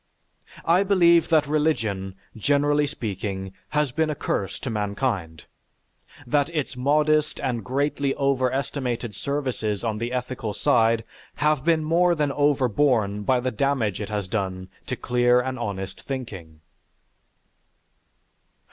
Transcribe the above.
I believe that religion, generally speaking, has been a curse to mankind; that its modest and greatly overestimated services on the ethical side have been more than overborne by the damage it has done to clear and honest thinking.